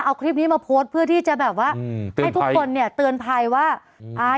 เอาคลิปนี้มาโพสต์เพื่อที่จะแบบว่าอืมให้ทุกคนเนี่ยเตือนภัยว่าอ่า